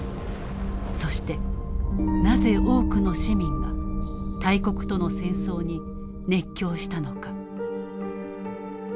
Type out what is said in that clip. そしてなぜ多くの市民が大国との戦争に熱狂したのか。